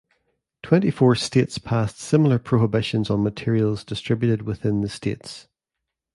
Twenty-four states passed similar prohibitions on materials distributed within the states.